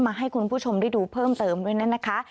ให้คุณผู้ชมได้ดูเพิ่มเติมด้วยนั่นนะคะ